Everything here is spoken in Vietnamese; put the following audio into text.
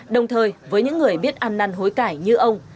đồng thời với những người biết ăn năn hối cải như ông